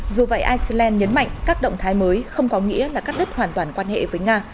dù vậy iceland nhấn mạnh các động thái mới không có nghĩa là cắt đứt hoàn toàn quan hệ với nga